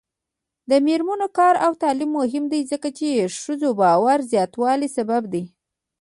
د میرمنو کار او تعلیم مهم دی ځکه چې ښځو باور زیاتولو سبب دی.